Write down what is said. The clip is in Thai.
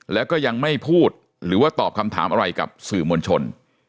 แล้วก็ยังไม่พูดหรือว่าตอบคำถามอะไรกับสื่อมวลชน